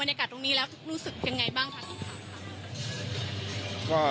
อันนี้จะต้องจับเบอร์เพื่อที่จะแข่งแข่งกันแล้วคุณละครับ